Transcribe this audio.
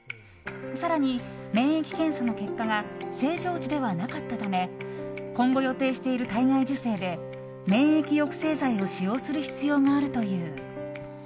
更に免疫検査の結果が正常値ではなかったため今後、予定している体外受精で免疫抑制剤を使用する必要があるという。